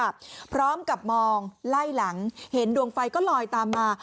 ต้องกลล้อมกับมองไล่หลังเห็นดวงไฟคือรอยตามมา